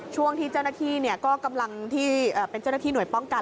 ช่วงที่เจ้าหน้าที่ก็กำลังที่เป็นเจ้าหน้าที่หน่วยป้องกัน